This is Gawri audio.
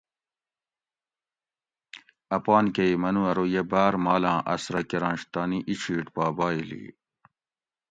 اپان کہ ای منو ارو یہ باۤر مالاں آسرہ کرنش تانی اِچھیٹ پا بائیلی